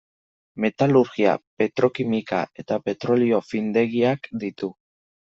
Metalurgia, petrokimika eta petrolio findegiak ditu.